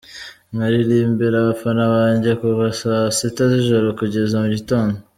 nkaririmbira abafana banjye kuva saa sita zijoro kugeza mu gitondo.